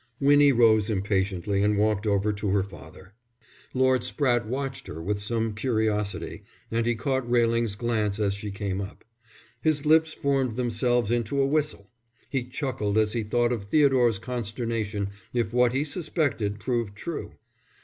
Winnie rose impatiently and walked over to her father. Lord Spratte watched her with some curiosity, and he caught Railing's glance as she came up. His lips formed themselves into a whistle. He chuckled as he thought of Theodore's consternation if what he suspected proved true.